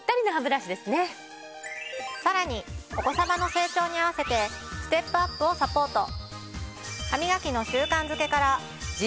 さらにお子さまの成長に合わせてステップアップをサポート。